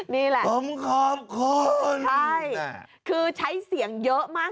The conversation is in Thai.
นี่แหละผมขอบคุณใช่คือใช้เสียงเยอะมาก